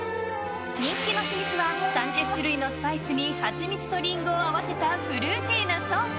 人気の秘密は３０種類のスパイスにハチミツとリンゴを合わせたフルーティーなソース。